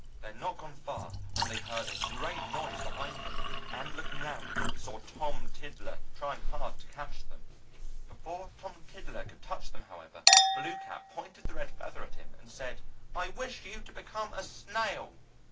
They had not gone far when they heard a great noise behind them, and looking round saw Tom Tiddler trying hard to catch them. Before Tom Tiddler could touch them, however, Blue Cap pointed the Red Feather at him, and said, "I wish you to become a snail!"